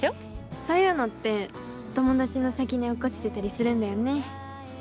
そういうのって友達の先に落っこちてたりするんだよね。